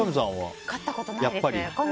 飼ったことないですね。